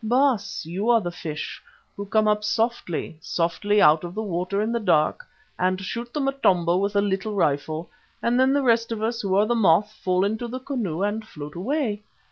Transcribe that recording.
"Baas, you are the fish, who come up softly, softly out of the water in the dark, and shoot the Motombo with the little rifle, and then the rest of us, who are the moth, fall into the canoe and float away.